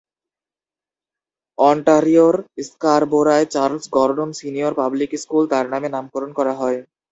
অন্টারিওর স্কারবোরায় Charles Gordon Senior Public School তার নামে নামকরণ করা হয়।